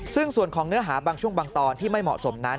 ซึ่งส่วนของเนื้อหาบางช่วงบางตอนที่ไม่เหมาะสมนั้น